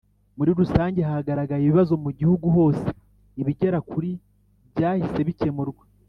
Muri rusange hagaragaye ibibazo mu gihugu hose ibigera kuri byahise bikemurwa